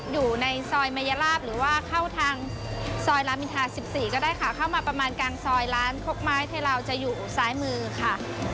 อยู่ในซอยมัยลาบหรือว่าเข้าทางซอยรามอินทา๑๔ก็ได้ค่ะเข้ามาประมาณกลางซอยร้านคกไม้ไทยลาวจะอยู่ซ้ายมือค่ะ